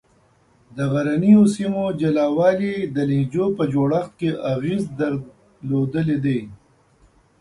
د غرنیو سیمو جلا والي د لهجو په جوړښت کې اغېز درلودلی دی.